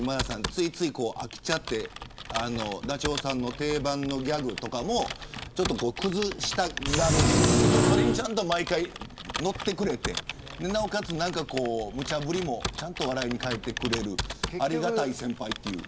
ついつい飽きちゃってダチョウさんの定番のギャグとか崩したがるんですけどそれにちゃんと毎回乗ってくれてなおかつ、むちゃぶりもちゃんと笑いに変えてくれるありがたい先輩という。